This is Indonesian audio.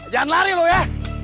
jangan lari lo ya